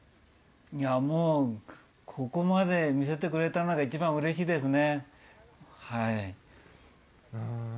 ここまで見せてくれたのが一番うれしいですね。